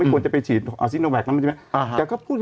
ไม่ควรจะไปฉีดซิโนแวคนะ